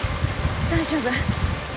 大丈夫？